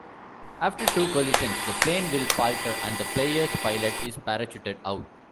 After two collisions, the plane will falter and the player's pilot is parachuted out.